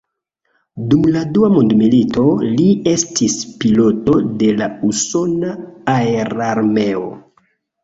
Dum la Dua Mondmilito li estis piloto de la usona aerarmeo.